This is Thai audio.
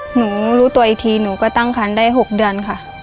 หนูรู้ตัวอีกทีหนูก็ตั้งคันได้๖เดือนค่ะ